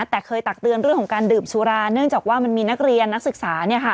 แต่เคยตักเตือนเรื่องของการดื่มสุราเนื่องจากว่ามันมีนักเรียนนักศึกษา